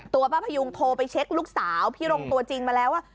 ป้าพยุงโทรไปเช็คลูกสาวพี่รงตัวจริงมาแล้วว่า